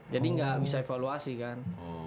jadi gak bisa evaluasi kan